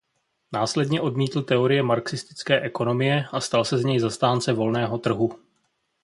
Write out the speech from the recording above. Následně odmítl teorie marxistické ekonomie a stal se z něj zastánce volného trhu.